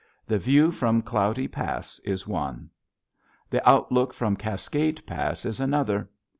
The view from Cloudy Pass is one; the outlook from Cascade Pass is another.